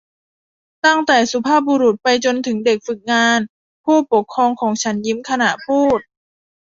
ตั้งแต่สุภาพบุรุษไปจนถึงเด็กฝึกงาน ผู้ปกครองของฉันยิ้มขณะพูด